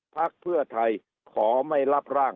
พักเพื่อไทยขอไม่รับร่าง